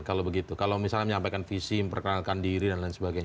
kalau misalnya menyampaikan visi memperkenalkan diri dan lain sebagainya